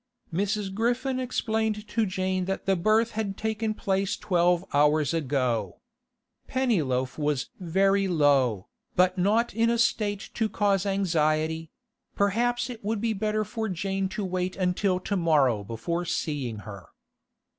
Mrs. Griffin explained to Jane that the birth had taken place twelve hours ago. Pennyloaf was 'very low,' but not in a state to cause anxiety; perhaps it would be better for Jane to wait until to morrow before seeing her.